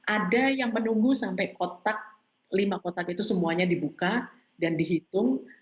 ada yang menunggu sampai kotak lima kotak itu semuanya dibuka dan dihitung